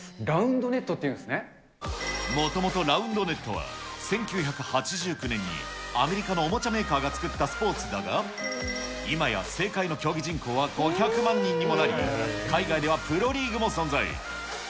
ラウンドネットっていうんでもともとラウンドネットは、１９８９年にアメリカのおもちゃメーカーが作ったスポーツだが、今や、世界の競技人口は５００万人にもなり、海外ではプロリーグも存在。